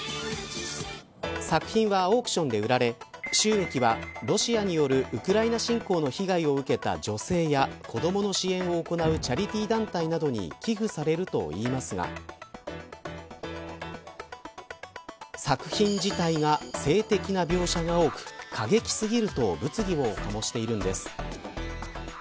作品はオークションで売られ収益はロシアによるウクライナ侵攻の被害を受けた女性や、子どもの支援を行うチャリティー団体などに寄付されるといいますが作品自体が性的な描写が多く過激すぎると物議を醸しているんです。